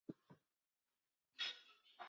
然后凭借这两个港口建立前进基地。